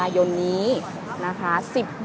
จะทดลองปิดสะพานข้ามแยกนะคะ๒๒๒๓พฤศจิกายนนี้นะคะ